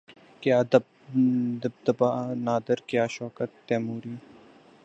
کیا دبدبۂ نادر کیا شوکت تیموری